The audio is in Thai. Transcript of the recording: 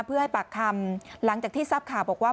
เพื่อให้ปากคำหลังจากที่ทราบข่าวบอกว่า